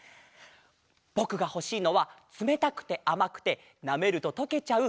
ぼくがほしいのはつめたくてあまくてなめるととけちゃう